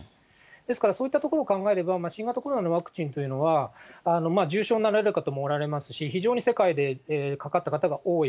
ですから、そういったところを考えれば、新型コロナのワクチンというのは、重症になられる方もおられますし、非常に世界でかかった方が多い。